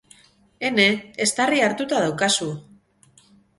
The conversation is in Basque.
Ene, eztarria hartuta daukazu!